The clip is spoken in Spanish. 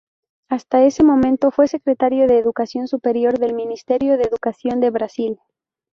Hasta ese momento, fue Secretario de Educación Superior del Ministerio de Educación de Brasil.